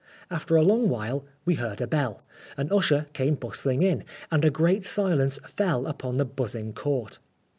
After a long while we heard a bell, an usher came bustling in, and a great silence fell upon the buzzing Court.